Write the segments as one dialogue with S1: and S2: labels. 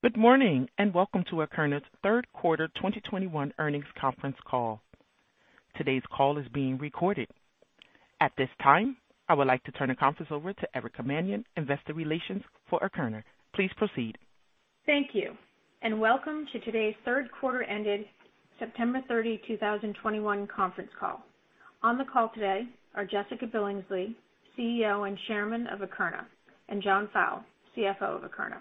S1: Good morning, and welcome to Akerna's Q3 2021 earnings conference call. Today's call is being recorded. At this time, I would like to turn the conference over to Erica Mannion, investor relations for Akerna. Please proceed.
S2: Thank you, and welcome to today's Q3 ended September 30, 2021 conference call. On the call today are Jessica Billingsley, CEO and Chairman of Akerna, and John Fowle, CFO of Akerna.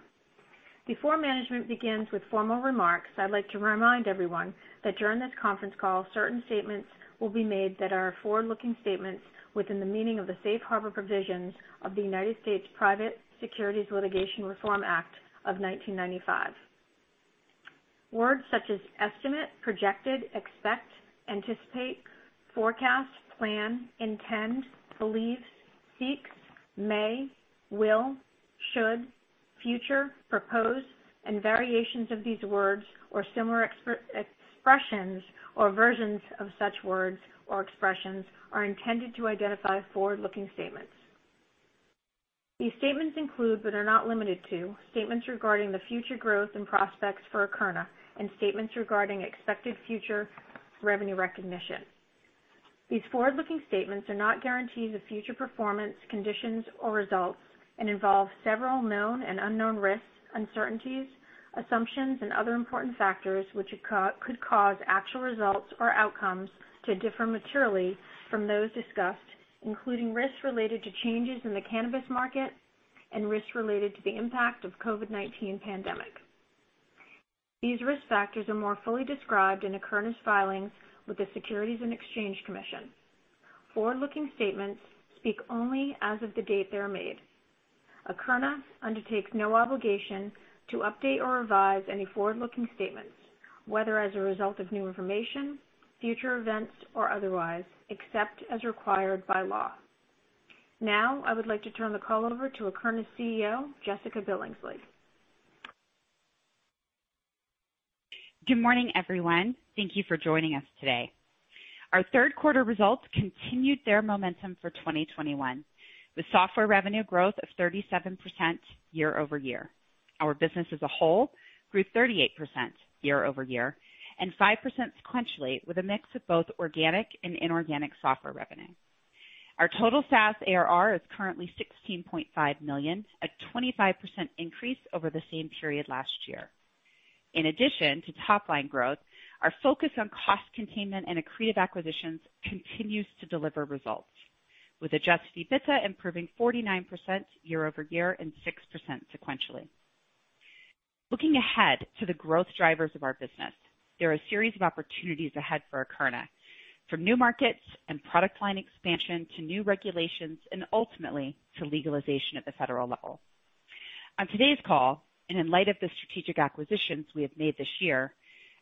S2: Before management begins with formal remarks, I'd like to remind everyone that during this conference call, certain statements will be made that are forward-looking statements within the meaning of the safe harbor provisions of the United States Private Securities Litigation Reform Act of 1995. Words such as estimate, projected, expect, anticipate, forecast, plan, intend, believe, seek, may, will, should, future, propose, and variations of these words, or similar expressions, or versions of such words or expressions, are intended to identify forward-looking statements. These statements include, but are not limited to, statements regarding the future growth and prospects for Akerna and statements regarding expected future revenue recognition. These forward-looking statements are not guarantees of future performance, conditions, or results and involve several known and unknown risks, uncertainties, assumptions, and other important factors which could cause actual results or outcomes to differ materially from those discussed, including risks related to changes in the cannabis market and risks related to the impact of COVID-19 pandemic. These risk factors are more fully described in Akerna's filings with the Securities and Exchange Commission. Forward-looking statements speak only as of the date they are made. Akerna undertakes no obligation to update or revise any forward-looking statements, whether as a result of new information, future events, or otherwise, except as required by law. Now, I would like to turn the call over to Akerna's CEO, Jessica Billingsley.
S3: Good morning, everyone. Thank you for joining us today. Our Q3 results continued their momentum for 2021, with software revenue growth of 37% year-over-year. Our business as a whole grew 38% year-over-year and 5% sequentially, with a mix of both organic and inorganic software revenue. Our total SaaS ARR is currently $16.5 million, a 25% increase over the same period last year. In addition to top-line growth, our focus on cost containment and accretive acquisitions continues to deliver results, with adjusted EBITDA improving 49% year-over-year and 6% sequentially. Looking ahead to the growth drivers of our business, there are a series of opportunities ahead for Akerna, from new markets and product line expansion to new regulations and ultimately to legalization at the federal level. On today's call, and in light of the strategic acquisitions we have made this year,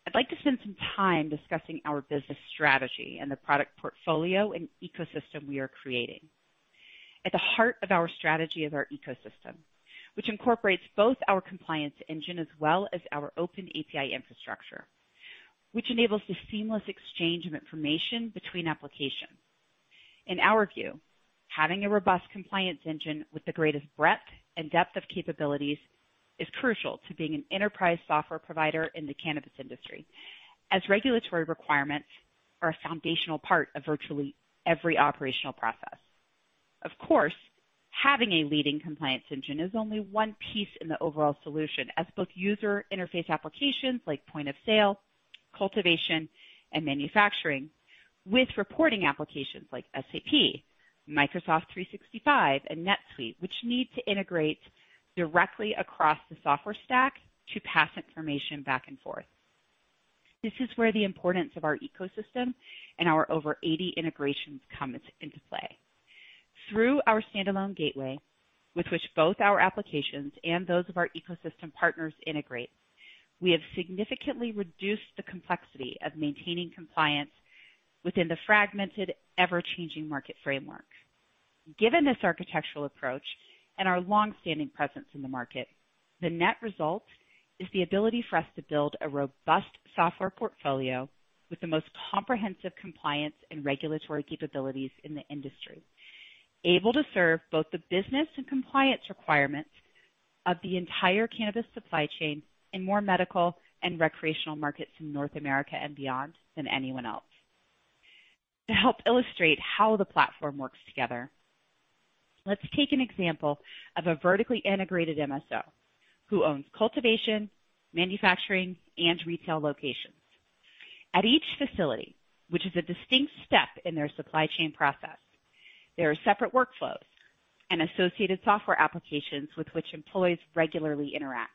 S3: I'd like to spend some time discussing our business strategy and the product portfolio and ecosystem we are creating. At the heart of our strategy is our ecosystem, which incorporates both our compliance engine as well as our open API infrastructure, which enables the seamless exchange of information between applications. In our view, having a robust compliance engine with the greatest breadth and depth of capabilities is crucial to being an enterprise software provider in the cannabis industry, as regulatory requirements are a foundational part of virtually every operational process. Of course, having a leading compliance engine is only one piece in the overall solution, as both user interface applications like point of sale, cultivation, and manufacturing with reporting applications like SAP, Microsoft 365, and NetSuite, which need to integrate directly across the software stack to pass information back and forth. This is where the importance of our ecosystem and our over 80 integrations comes into play. Through our standalone gateway, with which both our applications and those of our ecosystem partners integrate, we have significantly reduced the complexity of maintaining compliance within the fragmented, ever-changing market framework. Given this architectural approach and our long-standing presence in the market, the net result is the ability for us to build a robust software portfolio with the most comprehensive compliance and regulatory capabilities in the industry, able to serve both the business and compliance requirements of the entire cannabis supply chain in more medical and recreational markets in North America and beyond than anyone else. To help illustrate how the platform works together, let's take an example of a vertically integrated MSO who owns cultivation, manufacturing, and retail locations. At each facility, which is a distinct step in their supply chain process, there are separate workflows and associated software applications with which employees regularly interact.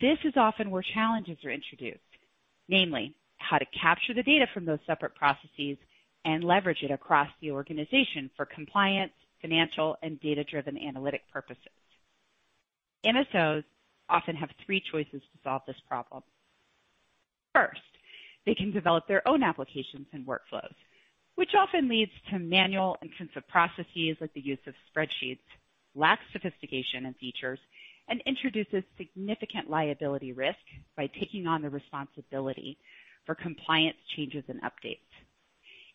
S3: This is often where challenges are introduced, namely how to capture the data from those separate processes and leverage it across the organization for compliance, financial, and data-driven analytic purposes. MSOs often have three choices to solve this problem. First, they can develop their own applications and workflows, which often leads to manual intensive processes like the use of spreadsheets, lacks sophistication and features, and introduces significant liability risk by taking on the responsibility for compliance changes and updates.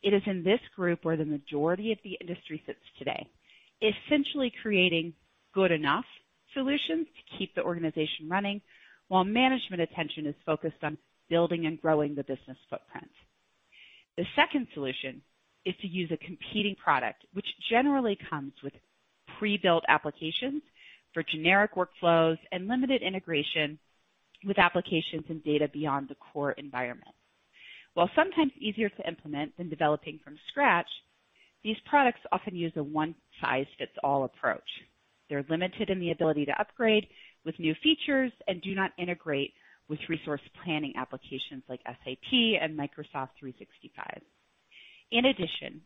S3: It is in this group where the majority of the industry sits today, essentially creating good enough solutions to keep the organization running while management attention is focused on building and growing the business footprint. The second solution is to use a competing product, which generally comes with pre-built applications for generic workflows and limited integration with applications and data beyond the core environment. While sometimes easier to implement than developing from scratch, these products often use a one-size-fits-all approach. They are limited in the ability to upgrade with new features and do not integrate with resource planning applications like SAP and Microsoft 365. In addition,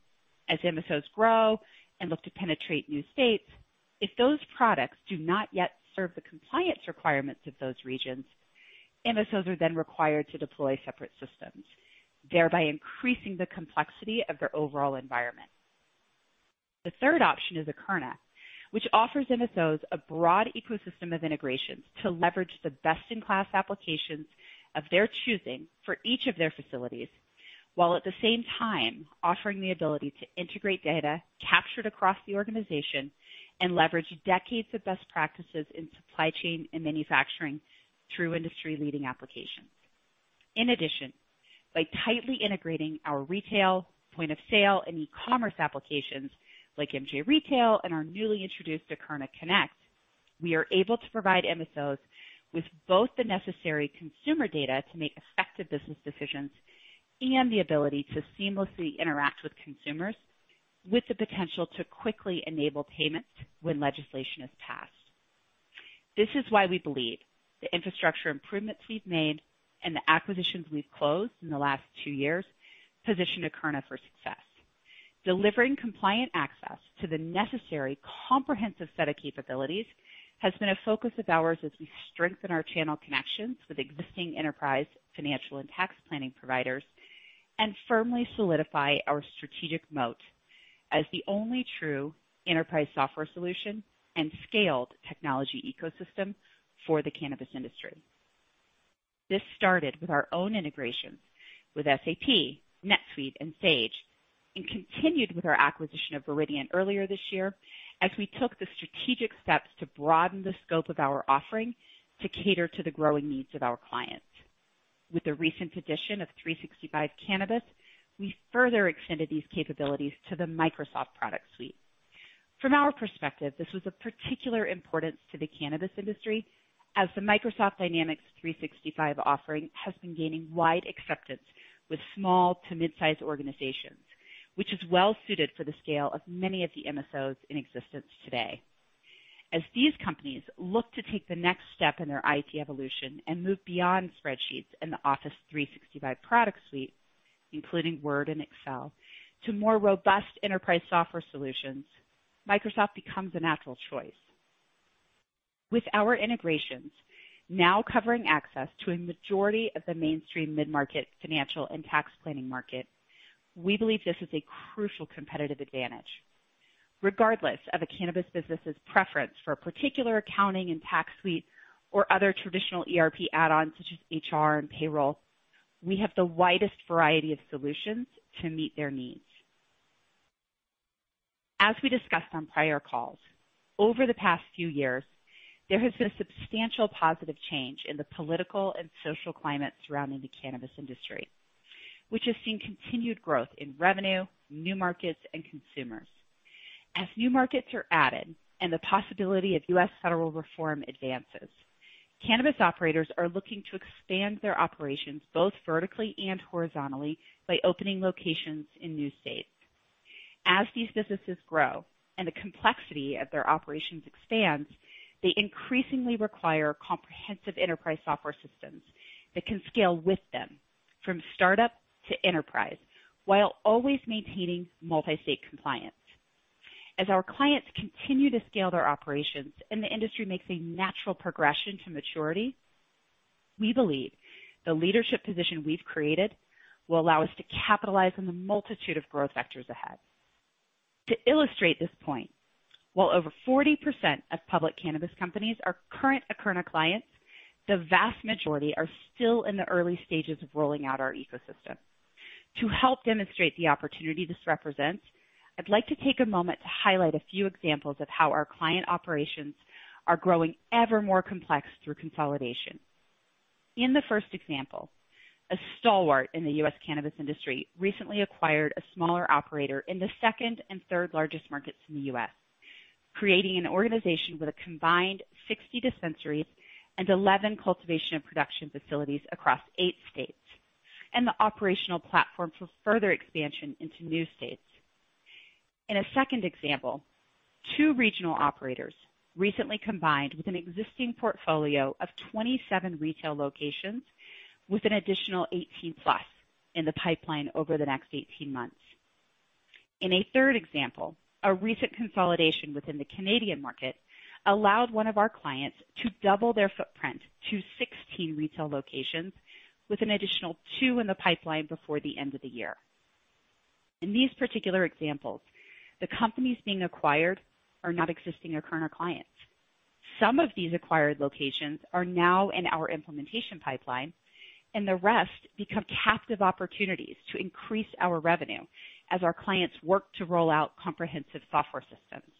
S3: as MSOs grow and look to penetrate new states, if those products do not yet serve the compliance requirements of those regions, MSOs are then required to deploy separate systems, thereby increasing the complexity of their overall environment. The third option is Akerna, which offers MSOs a broad ecosystem of integrations to leverage the best-in-class applications of their choosing for each of their facilities, while at the same time offering the ability to integrate data captured across the organization and leverage decades of best practices in supply chain and manufacturing through industry-leading applications. In addition, by tightly integrating our retail, point-of-sale, and e-commerce applications like MJ Retail and our newly introduced Akerna Connect, we are able to provide MSOs with both the necessary consumer data to make effective business decisions and the ability to seamlessly interact with consumers with the potential to quickly enable payments when legislation is passed. This is why we believe the infrastructure improvements we've made and the acquisitions we've closed in the last two years position Akerna for success. Delivering compliant access to the necessary comprehensive set of capabilities has been a focus of ours as we strengthen our channel connections with existing enterprise financial and tax planning providers and firmly solidify our strategic moat as the only true enterprise software solution and scaled technology ecosystem for the cannabis industry. This started with our own integrations with SAP, NetSuite, and Sage, and continued with our acquisition of Viridian earlier this year as we took the strategic steps to broaden the scope of our offering to cater to the growing needs of our clients. With the recent addition of 365 Cannabis, we further extended these capabilities to the Microsoft product suite. From our perspective, this was of particular importance to the cannabis industry as the Microsoft Dynamics 365 offering has been gaining wide acceptance with small to mid-size organizations, which is well suited for the scale of many of the MSOs in existence today. As these companies look to take the next step in their IT evolution and move beyond spreadsheets and the Office 365 product suite, including Word and Excel, to more robust enterprise software solutions, Microsoft becomes a natural choice. With our integrations now covering access to a majority of the mainstream mid-market financial and tax planning market, we believe this is a crucial competitive advantage. Regardless of a cannabis business's preference for a particular accounting and tax suite or other traditional ERP add-ons such as HR and payroll, we have the widest variety of solutions to meet their needs. As we discussed on prior calls, over the past few years, there has been a substantial positive change in the political and social climate surrounding the cannabis industry, which has seen continued growth in revenue, new markets, and consumers. As new markets are added and the possibility of U.S. federal reform advances, cannabis operators are looking to expand their operations both vertically and horizontally by opening locations in new states. As these businesses grow and the complexity of their operations expands, they increasingly require comprehensive enterprise software systems that can scale with them from startup to enterprise, while always maintaining multi-state compliance. As our clients continue to scale their operations and the industry makes a natural progression to maturity, we believe the leadership position we've created will allow us to capitalize on the multitude of growth vectors ahead. To illustrate this point, while over 40% of public cannabis companies are current Akerna clients, the vast majority are still in the early stages of rolling out our ecosystem. To help demonstrate the opportunity this represents, I'd like to take a moment to highlight a few examples of how our client operations are growing ever more complex through consolidation. In the first example, a stalwart in the U.S. cannabis industry recently acquired a smaller operator in the second and third largest markets in the U.S., creating an organization with a combined 60 dispensaries and 11 cultivation and production facilities across eight states, and the operational platform for further expansion into new states. In a second example, two regional operators recently combined with an existing portfolio of 27 retail locations with an additional 18+ in the pipeline over the next 18 months. In a third example, a recent consolidation within the Canadian market allowed one of our clients to double their footprint to 16 retail locations, with an additional two in the pipeline before the end of the year. In these particular examples, the companies being acquired are not existing Akerna clients. Some of these acquired locations are now in our implementation pipeline, and the rest become captive opportunities to increase our revenue as our clients work to roll out comprehensive software systems.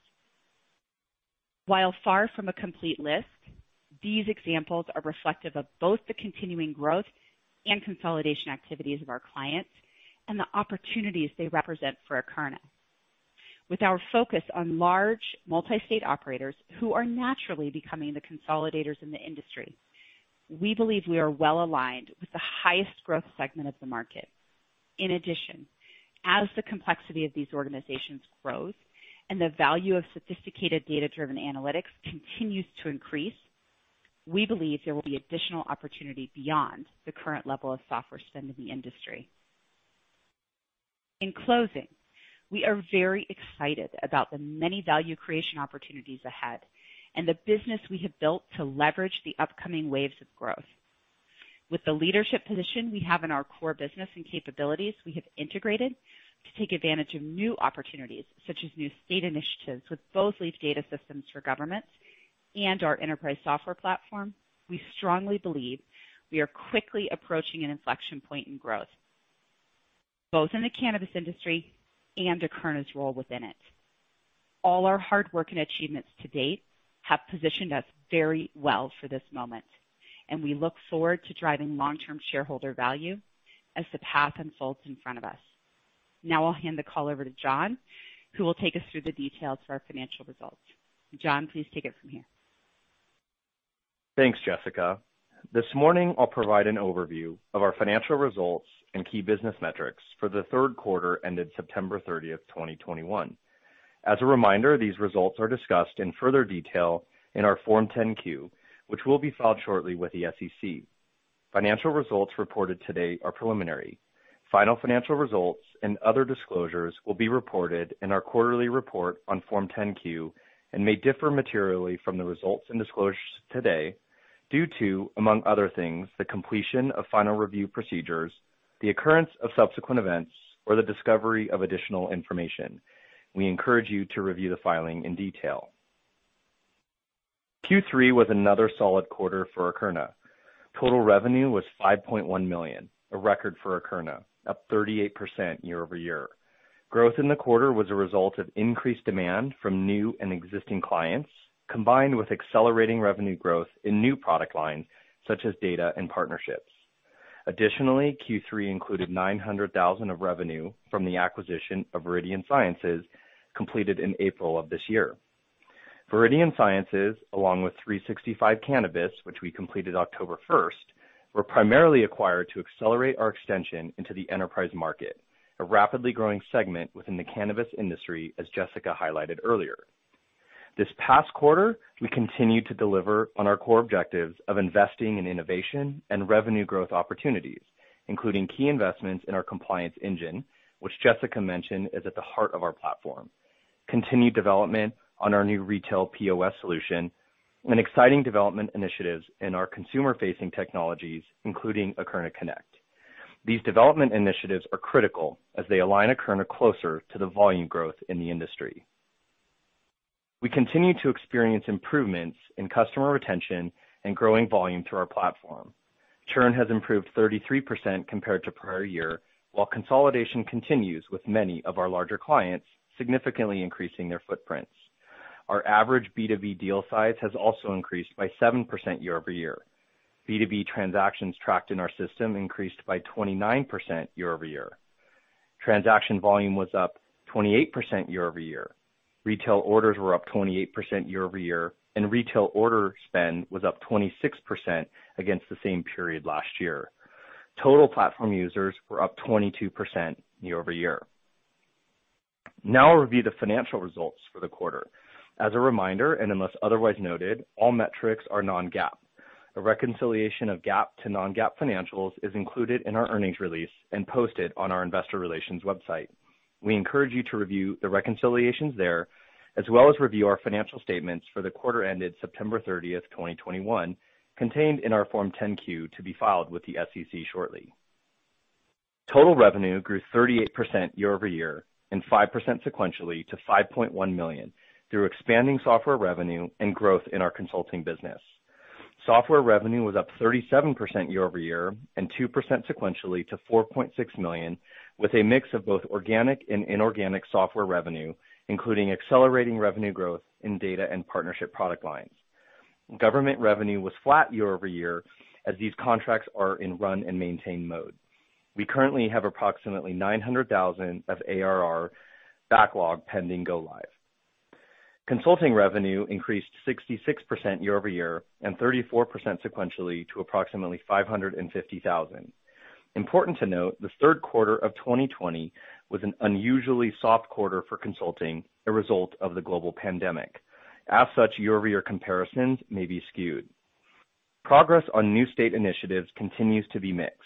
S3: While far from a complete list, these examples are reflective of both the continuing growth and consolidation activities of our clients and the opportunities they represent for Akerna. With our focus on large multi-state operators who are naturally becoming the consolidators in the industry, we believe we are well-aligned with the highest growth segment of the market. In addition, as the complexity of these organizations grows and the value of sophisticated data-driven analytics continues to increase, we believe there will be additional opportunity beyond the current level of software spend in the industry. In closing, we are very excited about the many value creation opportunities ahead and the business we have built to leverage the upcoming waves of growth. With the leadership position we have in our core business and capabilities we have integrated to take advantage of new opportunities, such as new state initiatives with both Leaf Data Systems for governments and our enterprise software platform, we strongly believe we are quickly approaching an inflection point in growth, both in the cannabis industry and Akerna's role within it. All our hard work and achievements to date have positioned us very well for this moment, and we look forward to driving long-term shareholder value as the path unfolds in front of us. Now I'll hand the call over to John, who will take us through the details for our financial results. John, please take it from here.
S4: Thanks, Jessica. This morning I'll provide an overview of our financial results and key business metrics for the Q3 ended September 30, 2021. As a reminder, these results are discussed in further detail in our Form 10-Q, which will be filed shortly with the SEC. Financial results reported today are preliminary. Final financial results and other disclosures will be reported in our quarterly report on Form 10-Q and may differ materially from the results and disclosures today due to, among other things, the completion of final review procedures, the occurrence of subsequent events, or the discovery of additional information. We encourage you to review the filing in detail. Q3 was another solid quarter for Akerna. Total revenue was $5.1 million, a record for Akerna, up 38% year-over-year. Growth in the quarter was a result of increased demand from new and existing clients, combined with accelerating revenue growth in new product lines such as data and partnerships. Additionally, Q3 included $900,000 of revenue from the acquisition of Viridian Sciences completed in April of this year. Viridian Sciences, along with 365 Cannabis, which we completed October first, were primarily acquired to accelerate our extension into the enterprise market, a rapidly growing segment within the cannabis industry, as Jessica highlighted earlier. This past quarter, we continued to deliver on our core objectives of investing in innovation and revenue growth opportunities, including key investments in our compliance engine, which Jessica mentioned is at the heart of our platform, continued development on our new retail POS solution, and exciting development initiatives in our consumer-facing technologies, including Akerna Connect. These development initiatives are critical as they align Akerna closer to the volume growth in the industry. We continue to experience improvements in customer retention and growing volume through our platform. Churn has improved 33% compared to prior year, while consolidation continues with many of our larger clients significantly increasing their footprints. Our average B2B deal size has also increased by 7% year-over-year. B2B transactions tracked in our system increased by 29% year-over-year. Transaction volume was up 28% year-over-year. Retail orders were up 28% year-over-year, and retail order spend was up 26% against the same period last year. Total platform users were up 22% year-over-year. Now I'll review the financial results for the quarter. As a reminder, and unless otherwise noted, all metrics are non-GAAP. A reconciliation of GAAP to non-GAAP financials is included in our earnings release and posted on our investor relations website. We encourage you to review the reconciliations there, as well as review our financial statements for the quarter ended September 30, 2021, contained in our Form 10-Q to be filed with the SEC shortly. Total revenue grew 38% year-over-year and 5% sequentially to $5.1 million through expanding software revenue and growth in our consulting business. Software revenue was up 37% year-over-year and 2% sequentially to $4.6 million, with a mix of both organic and inorganic software revenue, including accelerating revenue growth in data and partnership product lines. Government revenue was flat year-over-year as these contracts are in run and maintain mode. We currently have approximately $900,000 of ARR backlog pending go live. Consulting revenue increased 66% year-over-year and 34% sequentially to approximately $550,000. Important to note, the Q3 of 2020 was an unusually soft quarter for consulting, a result of the global pandemic. As such, year-over-year comparisons may be skewed. Progress on new state initiatives continues to be mixed.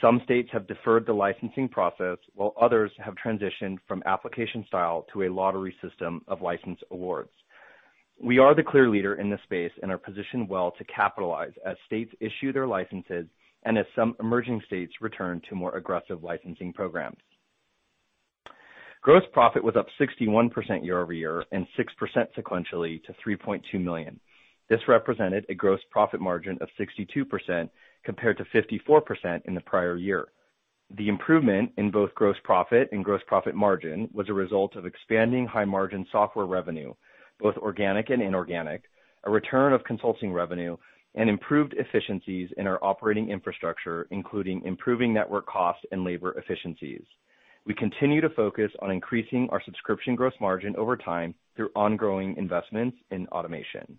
S4: Some states have deferred the licensing process, while others have transitioned from application style to a lottery system of license awards. We are the clear leader in this space and are positioned well to capitalize as states issue their licenses and as some emerging states return to more aggressive licensing programs. Gross profit was up 61% year-over-year and 6% sequentially to $3.2 million. This represented a gross profit margin of 62% compared to 54% in the prior year. The improvement in both gross profit and gross profit margin was a result of expanding high margin software revenue, both organic and inorganic, a return of consulting revenue and improved efficiencies in our operating infrastructure, including improving network costs and labor efficiencies. We continue to focus on increasing our subscription gross margin over time through ongoing investments in automation.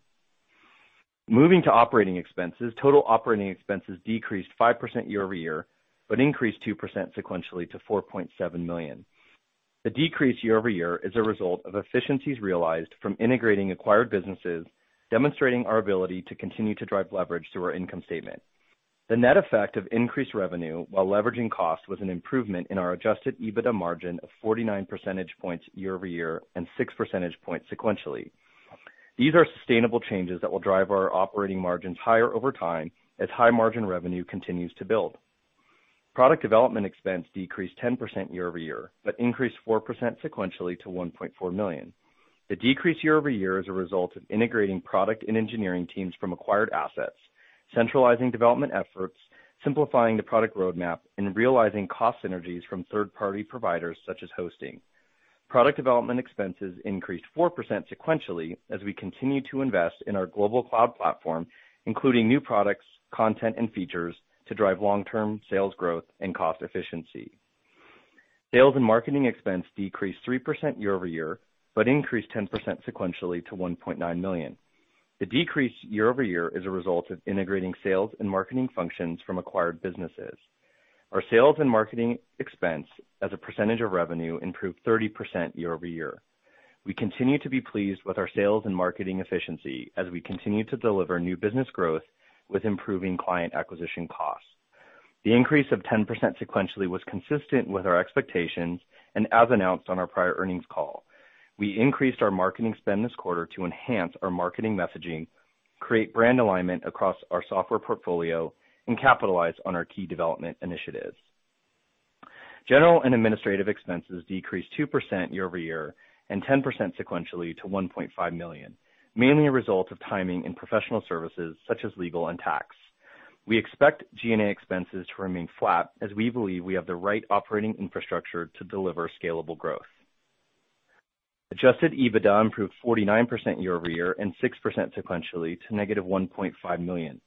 S4: Moving to operating expenses. Total operating expenses decreased 5% year-over-year, but increased 2% sequentially to $4.7 million. The decrease year-over-year is a result of efficiencies realized from integrating acquired businesses, demonstrating our ability to continue to drive leverage through our income statement. The net effect of increased revenue while leveraging costs was an improvement in our adjusted EBITDA margin of 49 percentage points year-over-year and 6 percentage points sequentially. These are sustainable changes that will drive our operating margins higher over time as high margin revenue continues to build. Product development expense decreased 10% year-over-year, but increased 4% sequentially to $1.4 million. The decrease year-over-year is a result of integrating product and engineering teams from acquired assets, centralizing development efforts, simplifying the product roadmap, and realizing cost synergies from third-party providers such as hosting. Product development expenses increased 4% sequentially as we continue to invest in our global cloud platform, including new products, content and features to drive long-term sales growth and cost efficiency. Sales and marketing expense decreased 3% year-over-year, but increased 10% sequentially to $1.9 million. The decrease year-over-year is a result of integrating sales and marketing functions from acquired businesses. Our sales and marketing expense as a percentage of revenue improved 30% year over year. We continue to be pleased with our sales and marketing efficiency as we continue to deliver new business growth with improving client acquisition costs. The increase of 10% sequentially was consistent with our expectations and as announced on our prior earnings call. We increased our marketing spend this quarter to enhance our marketing messaging, create brand alignment across our software portfolio and capitalize on our key development initiatives. General and administrative expenses decreased 2% year over year and 10% sequentially to $1.5 million, mainly a result of timing in professional services such as legal and tax. We expect G&A expenses to remain flat as we believe we have the right operating infrastructure to deliver scalable growth. Adjusted EBITDA improved 49% year-over-year and 6% sequentially to -$1.5 million.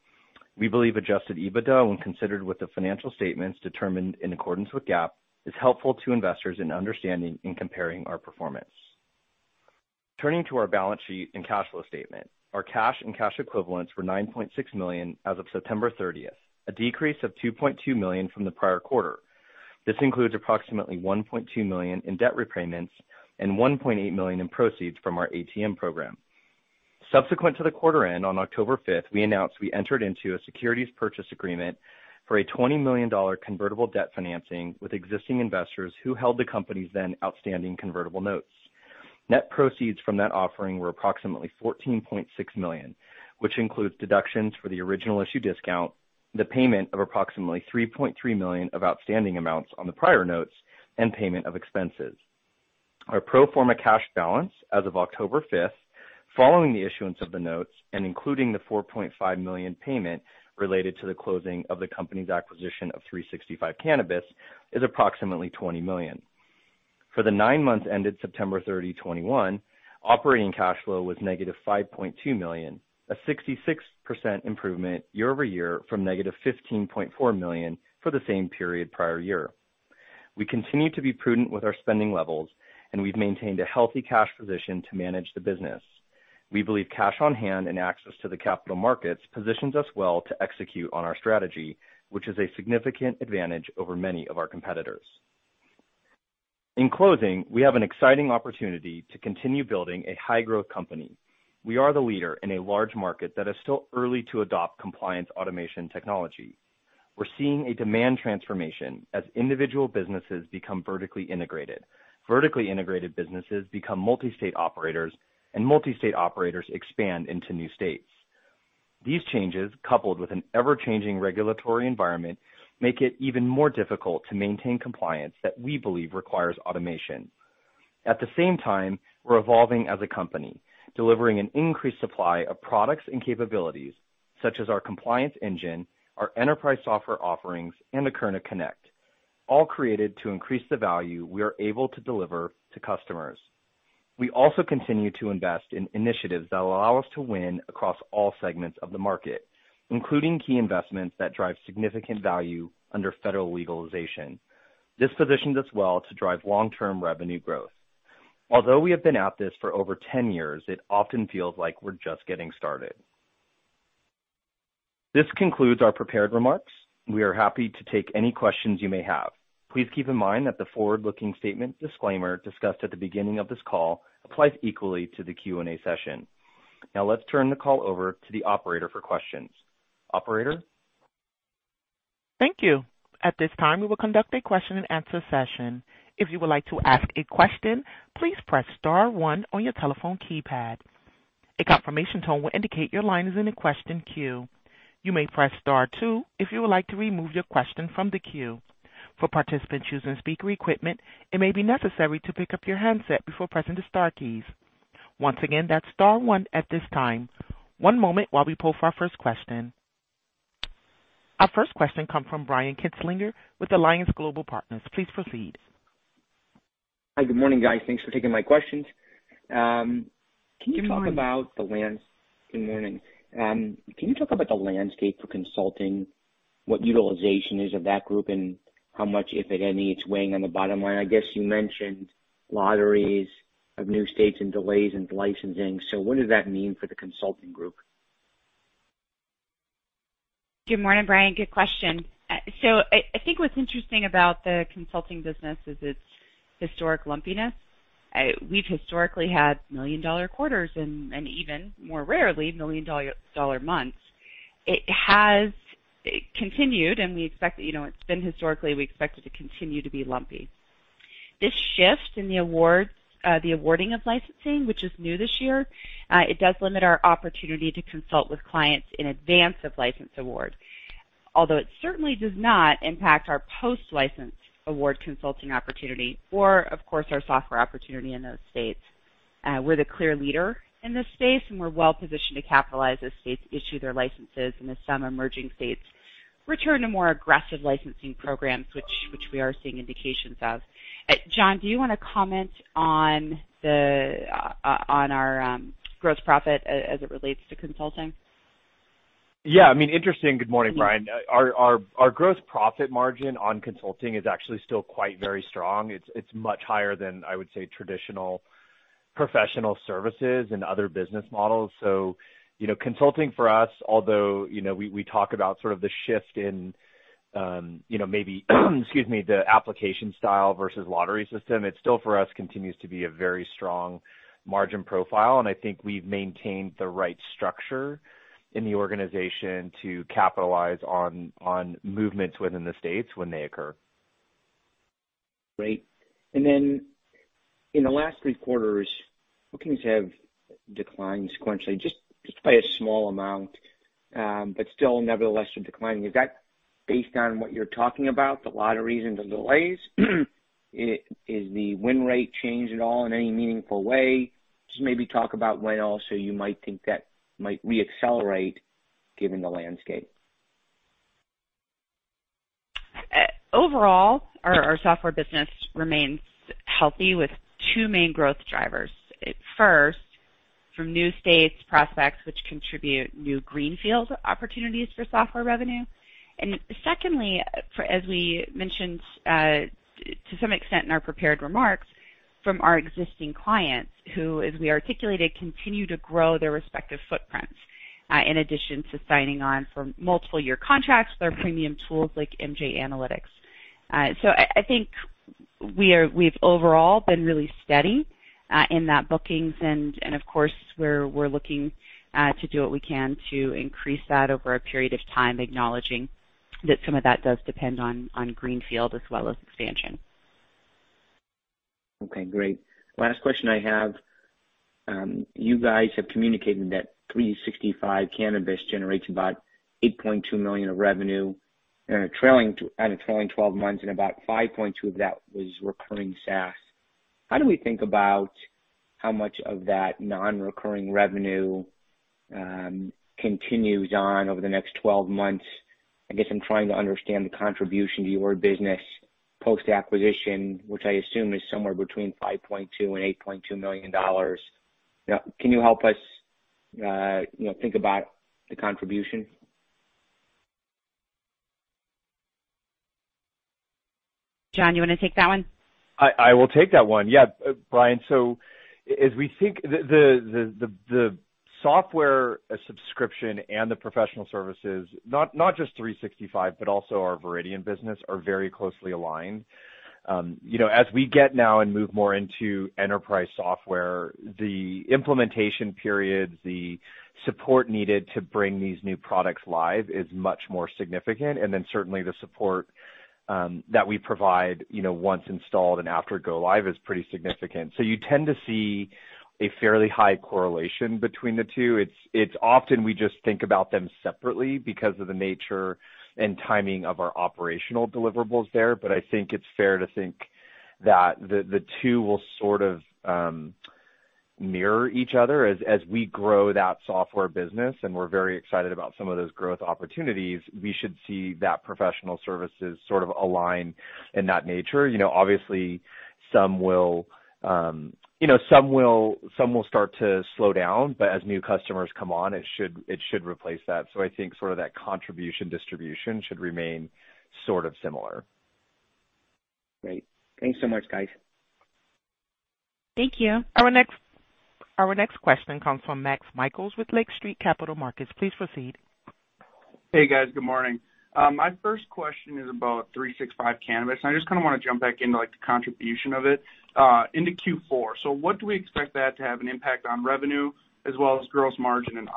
S4: We believe adjusted EBITDA, when considered with the financial statements determined in accordance with GAAP, is helpful to investors in understanding and comparing our performance. Turning to our balance sheet and cash flow statement, our cash and cash equivalents were $9.6 million as of September 30, a decrease of $2.2 million from the prior quarter. This includes approximately $1.2 million in debt repayments and $1.8 million in proceeds from our ATM program. Subsequent to the quarter end on October 5, we announced we entered into a securities purchase agreement for a $20 million convertible debt financing with existing investors who held the company's then outstanding convertible notes. Net proceeds from that offering were approximately $14.6 million, which includes deductions for the original issue discount, the payment of approximately $3.3 million of outstanding amounts on the prior notes, and payment of expenses. Our pro forma cash balance as of October 5, following the issuance of the notes and including the $4.5 million payment related to the closing of the company's acquisition of 365 Cannabis, is approximately $20 million. For the nine months ended September 30, 2021, operating cash flow was negative $5.2 million, a 66% improvement year-over-year from negative $15.4 million for the same period prior year. We continue to be prudent with our spending levels, and we've maintained a healthy cash position to manage the business. We believe cash on hand and access to the capital markets positions us well to execute on our strategy, which is a significant advantage over many of our competitors. In closing, we have an exciting opportunity to continue building a high growth company. We are the leader in a large market that is still early to adopt compliance automation technology. We're seeing a demand transformation as individual businesses become vertically integrated. Vertically integrated businesses become multi-state operators, and multi-state operators expand into new states. These changes, coupled with an ever-changing regulatory environment, make it even more difficult to maintain compliance that we believe requires automation. At the same time, we're evolving as a company, delivering an increased supply of products and capabilities such as our compliance engine, our enterprise software offerings, and the Akerna Connect, all created to increase the value we are able to deliver to customers. We also continue to invest in initiatives that will allow us to win across all segments of the market, including key investments that drive significant value under federal legalization. This positions us well to drive long-term revenue growth. Although we have been at this for over 10 years, it often feels like we're just getting started. This concludes our prepared remarks. We are happy to take any questions you may have. Please keep in mind that the forward-looking statement disclaimer discussed at the beginning of this call applies equally to the Q&A session. Now let's turn the call over to the operator for questions. Operator?
S1: Thank you. At this time, we will conduct a question and answer session. If you would like to ask a question, please press star one on your telephone keypad. A confirmation tone will indicate your line is in a question queue. You may press star two if you would like to remove your question from the queue. For participants using speaker equipment, it may be necessary to pick up your handset before pressing the star keys. Once again, that's star one at this time. One moment while we pull for our first question. Our first question comes from Brian Kinstlinger with Alliance Global Partners. Please proceed.
S5: Hi, good morning, guys. Thanks for taking my questions. Can you talk about the lands-
S3: Good morning.
S5: Good morning. Can you talk about the landscape for consulting, what utilization is of that group, and how much, if at any, it's weighing on the bottom line? I guess you mentioned lotteries of new states and delays in licensing. What does that mean for the consulting group?
S3: Good morning, Brian. Good question. I think what's interesting about the consulting business is its historic lumpiness. We've historically had $1 million quarters and even more rarely, $1 million months. It has continued, and we expect that, you know, we expect it to continue to be lumpy. This shift in the awards, the awarding of licensing, which is new this year, it does limit our opportunity to consult with clients in advance of license awards. Although it certainly does not impact our post-license award consulting opportunity or, of course, our software opportunity in those states. We're the clear leader in this space, and we're well-positioned to capitalize as states issue their licenses and as some emerging states return to more aggressive licensing programs, which we are seeing indications of. John, do you wanna comment on our gross profit as it relates to consulting?
S4: Yeah. I mean, interesting. Good morning, Brian.
S5: Yeah.
S4: Our gross profit margin on consulting is actually still quite very strong. It's much higher than, I would say, traditional professional services and other business models. You know, consulting for us, although, you know, we talk about sort of the shift in, you know, maybe, excuse me, the application style versus lottery system, it still for us continues to be a very strong margin profile. I think we've maintained the right structure in the organization to capitalize on movements within the states when they occur.
S5: Great. Then in the last three quarters, bookings have declined sequentially just by a small amount, but still nevertheless are declining. Is that based on what you're talking about, the lotteries and the delays? Is the win rate changed at all in any meaningful way? Just maybe talk about when also you might think that might reaccelerate given the landscape.
S3: Overall, our software business remains healthy with two main growth drivers. First, from new states prospects which contribute new greenfield opportunities for software revenue. Secondly, as we mentioned, to some extent in our prepared remarks from our existing clients who, as we articulated, continue to grow their respective footprints, in addition to signing on for multiple year contracts with our premium tools like MJ Analytics. I think we've overall been really steady in that bookings and, of course we're looking to do what we can to increase that over a period of time, acknowledging that some of that does depend on greenfield as well as expansion.
S5: Okay, great. Last question I have. You guys have communicated that 365 Cannabis generates about $8.2 million of revenue and a trailing twelve months and about $5.2 million of that was recurring SaaS. How do we think about how much of that non-recurring revenue continues on over the next twelve months? I guess I'm trying to understand the contribution to your business post-acquisition, which I assume is somewhere between $5.2 million and $8.2 million. Now, can you help us, you know, think about the contribution?
S3: John, you wanna take that one?
S4: I will take that one. Yeah, Brian. As we think the software subscription and the professional services, not just 365 Cannabis, but also our Viridian business are very closely aligned. You know, as we get now and move more into enterprise software, the implementation periods, the support needed to bring these new products live is much more significant. Then certainly the support that we provide, you know, once installed and after go live is pretty significant. You tend to see a fairly high correlation between the two. It's often we just think about them separately because of the nature and timing of our operational deliverables there. I think it's fair to think that the two will sort of mirror each other as we grow that software business, and we're very excited about some of those growth opportunities. We should see that professional services sort of align in that nature. You know, obviously some will you know, some will start to slow down, but as new customers come on, it should replace that. I think sort of that contribution distribution should remain sort of similar.
S5: Great. Thanks so much, guys.
S3: Thank you.
S1: Our next question comes from Max Michaelis with Lake Street Capital Markets. Please proceed.
S6: Hey, guys. Good morning. My first question is about 365 Cannabis, and I just kinda wanna jump back into like the contribution of it into Q4. What do we expect that to have an impact on revenue as well as gross margin and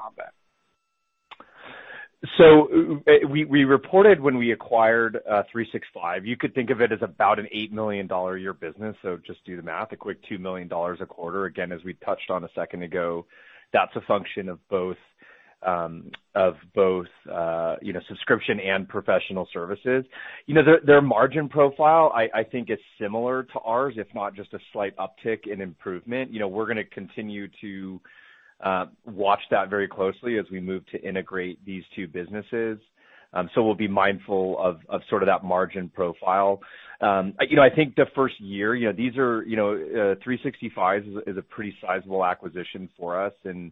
S6: OPEX?
S4: We reported when we acquired 365 Cannabis, you could think of it as about an $8 million a year business. Just do the math, a quick $2 million a quarter. Again, as we touched on a second ago, that's a function of both subscription and professional services. You know, their margin profile I think is similar to ours, if not just a slight uptick in improvement. You know, we're gonna continue to watch that very closely as we move to integrate these two businesses. We'll be mindful of sort of that margin profile. You know, I think the first year you know 365 is a pretty sizable acquisition for us. You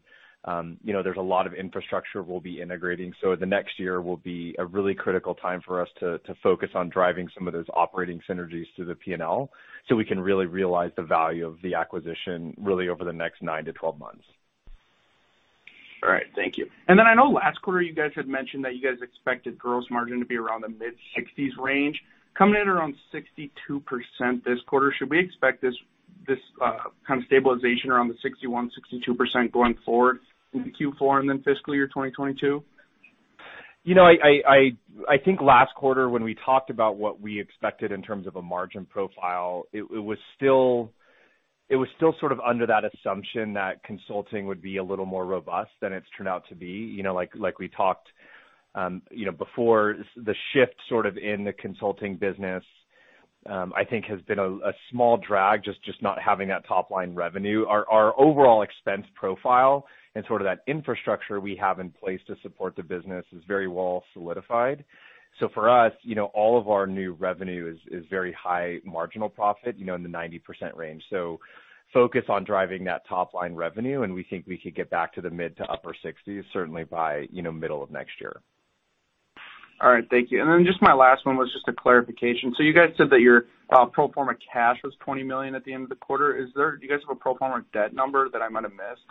S4: know, there's a lot of infrastructure we'll be integrating. The next year will be a really critical time for us to focus on driving some of those operating synergies through the P&L, so we can really realize the value of the acquisition really over the next 9-12 months.
S6: All right. Thank you. I know last quarter you guys had mentioned that you guys expected gross margin to be around the mid-60s range. Coming in around 62% this quarter, should we expect this kind of stabilization around the 61%-62% going forward into Q4 and then fiscal year 2022?
S4: You know, I think last quarter when we talked about what we expected in terms of a margin profile, it was still sort of under that assumption that consulting would be a little more robust than it's turned out to be. You know, like we talked, you know, before the shift sort of in the consulting business, I think has been a small drag, just not having that top line revenue. Our overall expense profile and sort of that infrastructure we have in place to support the business is very well solidified. For us, you know, all of our new revenue is very high marginal profit, you know, in the 90% range. Focus on driving that top line revenue, and we think we could get back to the mid- to upper 60s certainly by, you know, middle of next year.
S6: All right. Thank you. Just my last one was just a clarification. You guys said that your pro forma cash was $20 million at the end of the quarter. Is there, do you guys have a pro forma debt number that I might have missed?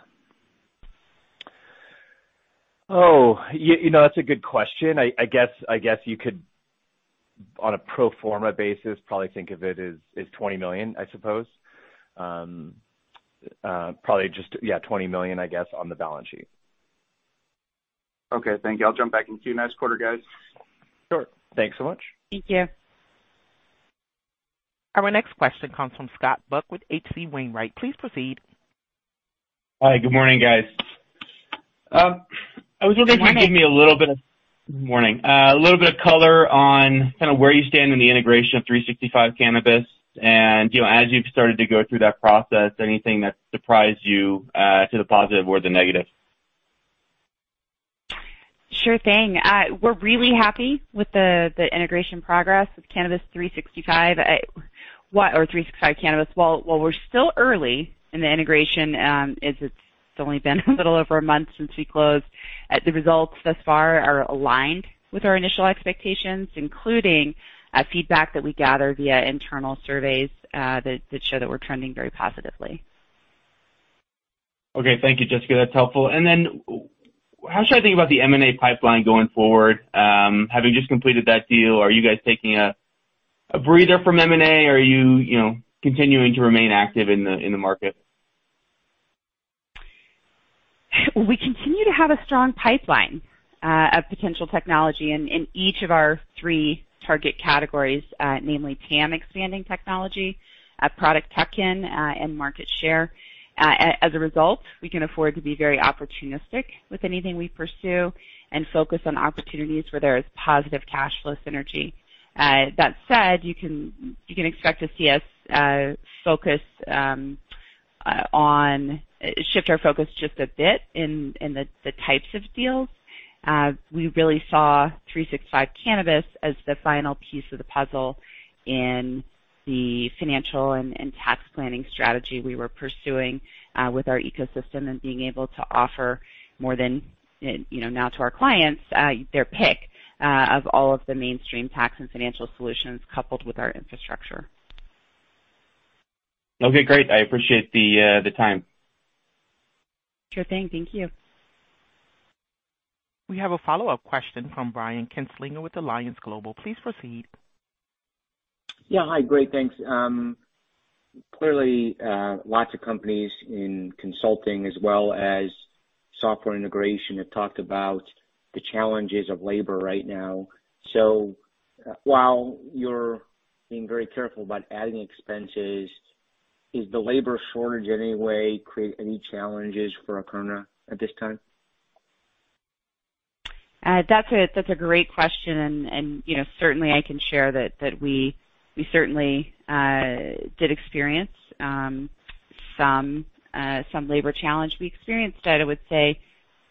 S4: Oh, you know, that's a good question. I guess you could, on a pro forma basis, probably think of it as $20 million, I suppose. Probably just, yeah, $20 million, I guess, on the balance sheet.
S6: Okay. Thank you. I'll jump back in queue next quarter, guys.
S4: Sure. Thanks so much.
S3: Thank you.
S1: Our next question comes from Scott Buck with H.C. Wainwright. Please proceed.
S7: Hi. Good morning, guys. I was wondering if you could give me a little bit of-
S3: Good morning.
S7: Morning. A little bit of color on kind of where you stand in the integration of 365 Cannabis. You know, as you've started to go through that process, anything that surprised you, to the positive or the negative?
S3: Sure thing. We're really happy with the integration progress with 365 Cannabis. While we're still early in the integration, as it's only been a little over a month since we closed, the results thus far are aligned with our initial expectations, including feedback that we gather via internal surveys that show that we're trending very positively.
S7: Okay. Thank you, Jessica. That's helpful. How should I think about the M&A pipeline going forward, having just completed that deal? Are you guys taking a breather from M&A? Are you know, continuing to remain active in the market?
S3: We continue to have a strong pipeline of potential technology in each of our three target categories, namely TAM expanding technology, product tech-in, and market share. As a result, we can afford to be very opportunistic with anything we pursue and focus on opportunities where there is positive cash flow synergy. That said, you can expect to see us shift our focus just a bit in the types of deals. We really saw 365 Cannabis as the final piece of the puzzle in the financial and tax planning strategy we were pursuing with our ecosystem and being able to offer more than you know now to our clients their pick of all of the mainstream tax and financial solutions coupled with our infrastructure.
S7: Okay. Great. I appreciate the time.
S3: Sure thing. Thank you.
S1: We have a follow-up question from Brian Kinstlinger with Alliance Global. Please proceed.
S5: Yeah. Hi. Great. Thanks. Clearly, lots of companies in consulting as well as software integration have talked about the challenges of labor right now. While you're being very careful about adding expenses, is the labor shortage in any way creating any challenges for Akerna at this time?
S3: That's a great question. You know, certainly I can share that we certainly did experience some labor challenge. We experienced it, I would say,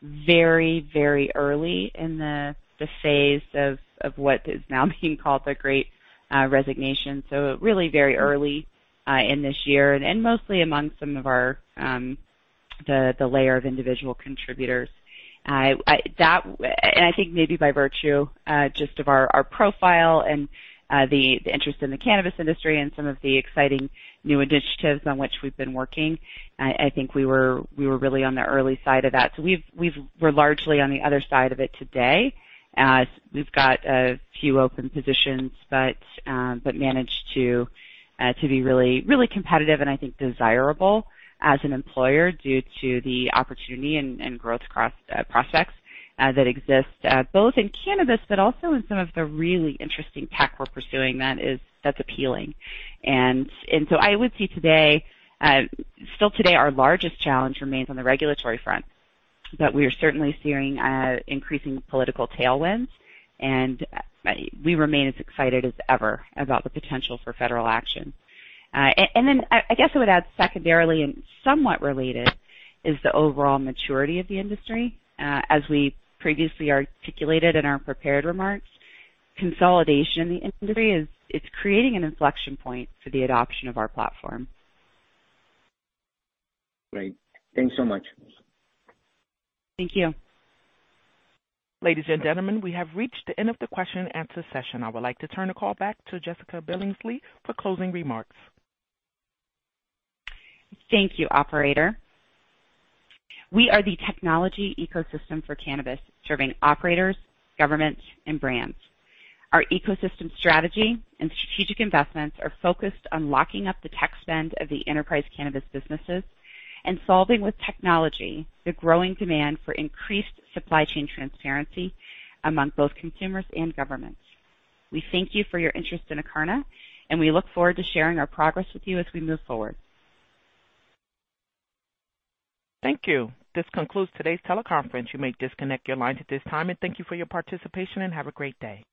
S3: very early in the phase of what is now being called the Great Resignation. Really very early in this year and mostly among some of our, the layer of individual contributors. I think maybe by virtue just of our profile and the interest in the cannabis industry and some of the exciting new initiatives on which we've been working, I think we were really on the early side of that. We're largely on the other side of it today. We've got a few open positions, but managed to be really competitive and I think desirable as an employer due to the opportunity and growth prospects that exist both in cannabis but also in some of the really interesting tech we're pursuing that is appealing. I would say today, still today, our largest challenge remains on the regulatory front. We are certainly seeing increasing political tailwinds, and we remain as excited as ever about the potential for federal action. I guess I would add secondarily and somewhat related is the overall maturity of the industry. As we previously articulated in our prepared remarks, consolidation in the industry is creating an inflection point for the adoption of our platform.
S5: Great. Thanks so much.
S3: Thank you.
S1: Ladies and gentlemen, we have reached the end of the question and answer session. I would like to turn the call back to Jessica Billingsley for closing remarks.
S3: Thank you, operator. We are the technology ecosystem for cannabis, serving operators, governments and brands. Our ecosystem strategy and strategic investments are focused on locking up the tech spend of the enterprise cannabis businesses and solving with technology the growing demand for increased supply chain transparency among both consumers and governments. We thank you for your interest in Akerna, and we look forward to sharing our progress with you as we move forward.
S1: Thank you. This concludes today's teleconference. You may disconnect your lines at this time. Thank you for your participation, and have a great day.